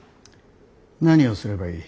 何をすればいい。